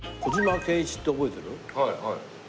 はいはい。